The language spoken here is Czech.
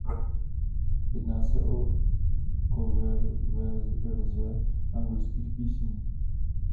Jedná se o coververze anglických písní.